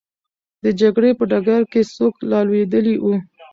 د جګړې په ډګر کې څوک رالوېدلی وو؟